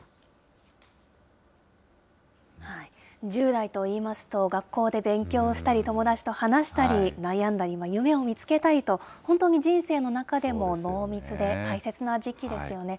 １０代といいますと、学校で勉強したり、友達と話したり、悩んだり、夢を見つけたりと、本当に人生の中でも濃密で、大切な時期ですよね。